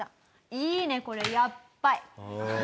「いいねこれやっばい」